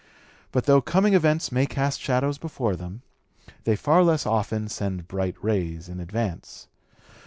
But though coming events may cast shadows before them, they far less often send bright rays in advance.